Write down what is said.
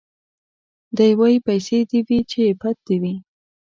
دی وايي پيسې دي وي بې پت دي وي